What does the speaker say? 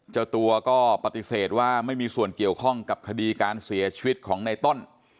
เจ้าตัวก็ปฏิเสธว่าไม่มีส่วนเกี่ยวข้องกับคดีการเสียชีวิตของในต้น